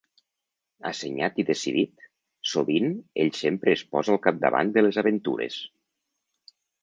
Assenyat i decidit, sovint ell sempre es posa al capdavant de les aventures.